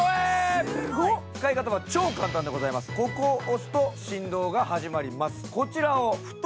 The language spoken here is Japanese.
ここを押すと振動が始まります。